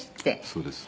「そうです」